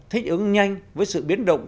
thích ứng nhanh với sự biến động